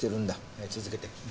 はい続けて。